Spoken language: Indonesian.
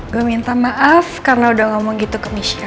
gue minta maaf karena udah ngomong gitu ke miska